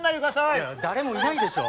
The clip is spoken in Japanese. いや誰もいないでしょ。